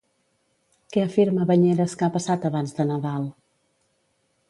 Què afirma Bañeres que ha passat abans de Nadal?